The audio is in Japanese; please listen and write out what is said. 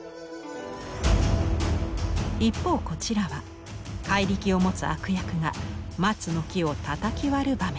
一方こちらは怪力を持つ悪役が松の木をたたき割る場面。